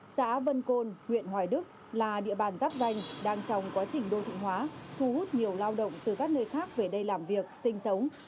xã vân côn huyện hoài đức là địa bàn giáp danh đang trong quá trình đô thị hóa thu hút nhiều lao động từ các nơi khác về đây làm việc sinh sống